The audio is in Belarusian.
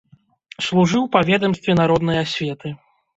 Служыў па ведамстве народнай асветы.